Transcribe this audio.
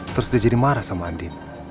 terus dia jadi marah sama andin